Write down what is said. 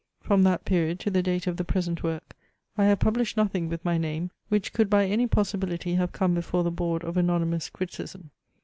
From that period to the date of the present work I have published nothing, with my name, which could by any possibility have come before the board of anonymous criticism.